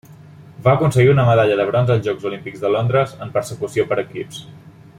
Va aconseguir una medalla de bronze als Jocs Olímpics de Londres en Persecució per equips.